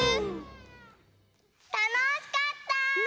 たのしかった！